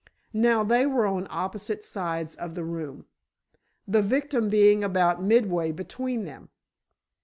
Now, they were on opposite sides of the room, the victim being about midway between them.